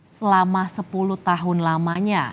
selama sepuluh tahun lamanya